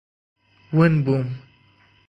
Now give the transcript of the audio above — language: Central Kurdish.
ون بووم.